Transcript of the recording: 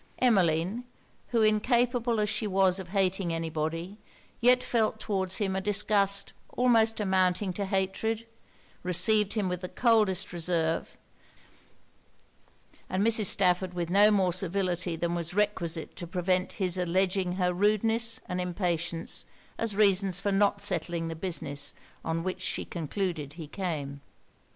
Emmeline, who incapable as she was of hating any body, yet felt towards him a disgust almost amounting to hatred, received him with the coldest reserve, and Mrs. Stafford with no more civility than was requisite to prevent his alledging her rudeness and impatience as reasons for not settling the business on which she concluded he came.